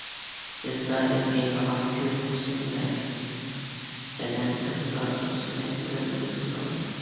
بىز دائىم يەيدىغان كۆپ قىسىم يېمەكلىك بەدەن تېمپېراتۇرىسىنى ئۆرلىتىدۇ.